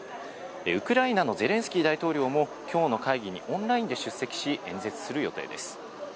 ウクライナのゼレンスキー大統領も今日の会議にオンラインで出席し、演説する予定です。